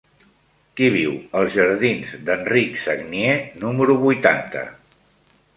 Qui viu als jardins d'Enric Sagnier número vuitanta?